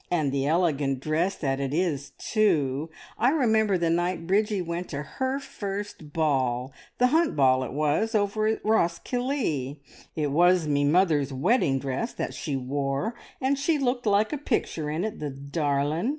And the elegant dress that it is, too! I remember the night Bridgie went to her first ball, the Hunt Ball it was, over at Roskillie. It was me mother's wedding dress that she wore, and she looked like a picture in it, the darlin'!